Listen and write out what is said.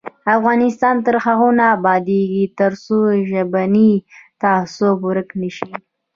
افغانستان تر هغو نه ابادیږي، ترڅو ژبنی تعصب ورک نشي.